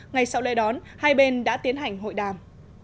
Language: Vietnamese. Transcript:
ngày sau lễ đón hai bên đã tiến hành hội đàm